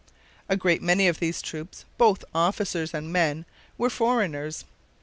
A great many of these troops, both officers and men, were foreigners.